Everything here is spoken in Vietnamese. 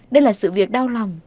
đây là sự việc đau lòng